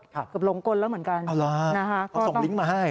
ครับเกือบลงกลแล้วเหมือนกันนะฮะต้องอ๋อส่งลิงก์มาให้